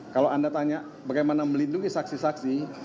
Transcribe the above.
kalau anda tanya bagaimana melindungi saksi saksi